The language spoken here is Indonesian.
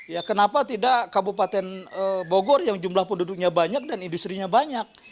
ya kenapa tidak kabupaten bogor yang jumlah penduduknya banyak dan industri nya banyak